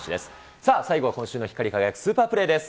さあ、最後は今週の光り輝くスーパープレーです。